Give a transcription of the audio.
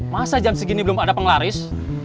masa jam segini belum ada penglaris